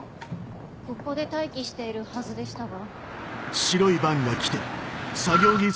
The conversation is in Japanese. ここで待機しているはずでしたが。